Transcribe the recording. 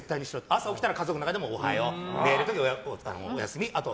朝起きたら家族の中でも、おはよう寝る時はおやすみって。